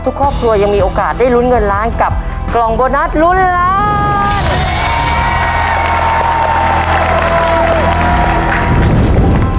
ทุกครอบครัวยังมีโอกาสได้ลุ้นเงินล้านกับกล่องโบนัสลุ้นล้าน